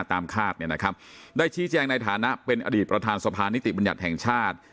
ตามฆาตได้ชี้แจงในฐานะเป็นอดีตประธานสภานิติบรรยัตย์แห่งชาติ